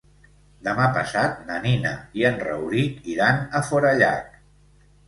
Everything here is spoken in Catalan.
Demà passat na Nina i en Rauric iran a Forallac.